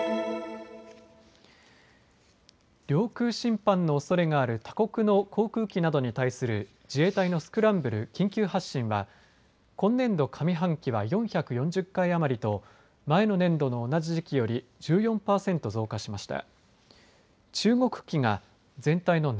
領空侵犯のおそれがある他国の航空機などに対する自衛隊のスクランブル・緊急発進は今年度上半期は４４０回余りと前の年度の同じ時期より１４％増加しました。